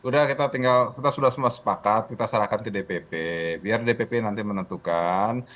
nah jadi kita sudah semua sepakat kita sarankan ke dpp biar dpp nanti menentukan